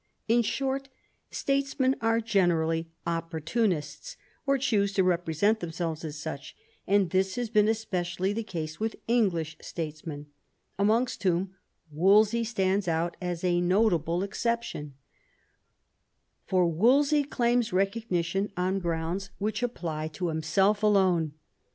In short, statesmen are generally opportunists, or choose to represent themselves as such; and this has been especially the case with English statesmen — amongst whom Wolsey stands out as a notable exception For Wolsey claijaas recognition on grounds which apply tg & ^i B 2 THOMAS WOLSEY chap. himself alone.